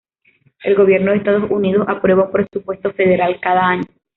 El gobierno de Estados Unidos aprueba un presupuesto federal cada año.